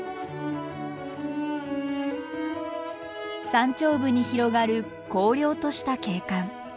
山頂部に広がる荒涼とした景観。